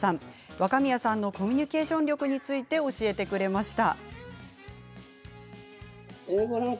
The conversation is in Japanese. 若宮さんのコミュニケーション力について教えてくれました。